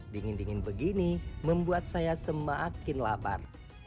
dingin dingin begini membuat saya semakin lapar